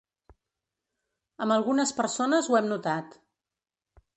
Amb algunes persones ho hem notat.